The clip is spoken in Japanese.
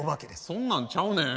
そんなんちゃうねん。